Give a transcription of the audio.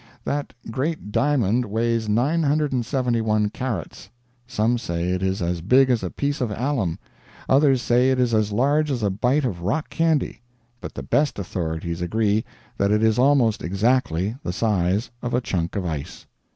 That great diamond weighs 97l carats. Some say it is as big as a piece of alum, others say it is as large as a bite of rock candy, but the best authorities agree that it is almost exactly the size of a chunk of ice.